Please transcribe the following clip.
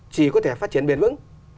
chỉ có thể phát triển biển vững